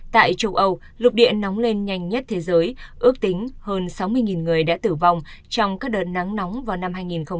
tại châu âu lục địa nóng lên nhanh nhất thế giới ước tính hơn sáu mươi người đã tử vong trong các đợt nắng nóng vào năm hai nghìn một mươi chín